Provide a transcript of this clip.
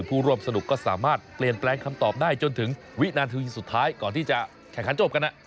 ผู้ร่วมสนุกก็สามารถเปลี่ยนแปลงคำตอบได้จนถึงวินาทีสุดท้ายก่อนที่จะแข่งขันจบกัน